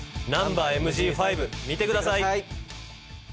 『ナンバＭＧ５』見てください！